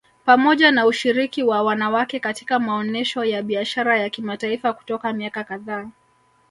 Pamoja na ushiriki wa wanawake katika maonesho ya Biashara ya kimataifa kutoka miaka kadhaa